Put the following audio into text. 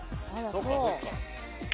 そっかそっか。